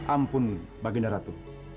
ampun baginda ratu